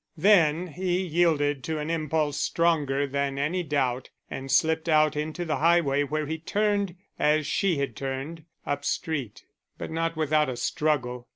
Then he yielded to an impulse stronger than any doubt and slipped out into the highway, where he turned, as she had turned, up street. But not without a struggle.